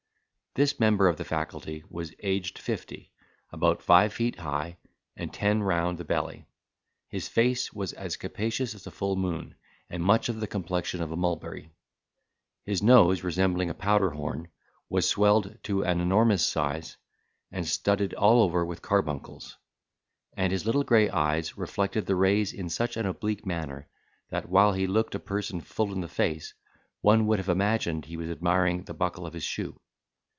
This member of the faculty was aged fifty, about five feet high, and ten round the belly; his face was as capacious as a full moon, and much of the complexion of a mulberry: his nose, resembling a powder horn, was swelled to an enormous size, and studded all over with carbuncles; and his little gray eyes reflected the rays in such an oblique manner that, while he looked a person full in the face, one would have imagined he was admiring the buckle of his shoe.